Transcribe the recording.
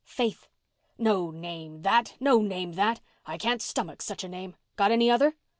"Faith." "No name that—no name that! I can't stomach such a name. Got any other?"